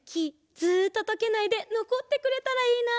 ずっととけないでのこってくれたらいいな。